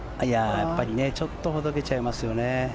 やっぱりほどけちゃいますよね。